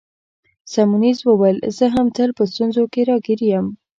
سیمونز وویل: زه هم تل په ستونزو کي راګیر یم.